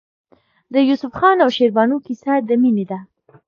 د یوسف خان او شیربانو کیسه د مینې ده.